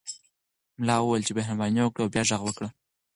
ملا وویل چې مهرباني وکړه او بیا غږ وکړه.